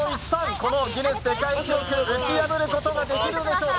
このギネス世界記録を打ち破ることができるのでしょうか。